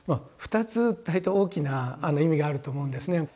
二つ大体大きな意味があると思うんですね。